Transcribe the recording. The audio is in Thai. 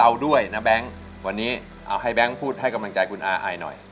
เอาด้วยนะแบงค์วันนี้เอาให้แบงค์พูดให้กำลังใจคุณอาไอหน่อย